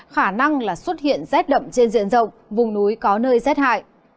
khả năng là xuất hiện rét đậm trên diện rộng vùng núi có nơi rét hại